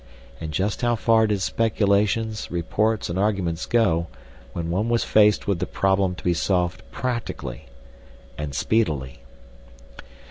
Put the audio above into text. And just how far did speculations, reports, and arguments go when one was faced with the problem to be solved practically and speedily?